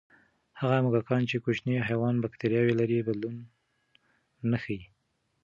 هغه موږکان چې کوچني حیوان بکتریاوې لري، بدلون نه ښيي.